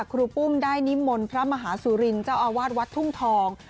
รูปุ้มได้นิมนต์พระมหาสุรินทร์เจ้าอาวาสวัดทุ่งทอง